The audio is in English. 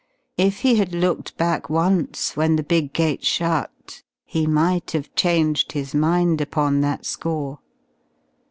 If he had looked back once when the big gate shut, he might have changed his mind upon that score.